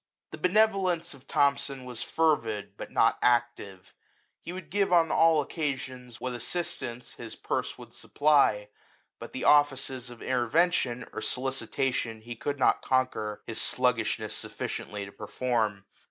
The Jbienevolence of Thomson was fervid, but not active ; he would give on all occa sions what assistance his purse would sup ply; but the offices of intervention or soli citation he could not conquer his sluggish ness sufficiently to perform *.